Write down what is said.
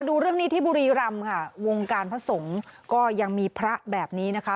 ดูเรื่องนี้ที่บุรีรำค่ะวงการพระสงฆ์ก็ยังมีพระแบบนี้นะคะ